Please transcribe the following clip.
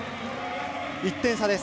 １点差です。